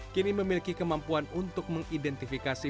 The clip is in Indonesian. kini memiliki kemampuan untuk mengidentifikasi